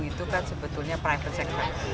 dua puluh lima itu kan sebetulnya private sector